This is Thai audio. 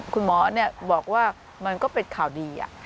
คุณหมอบอกว่ามันก็เป็นข่าวดี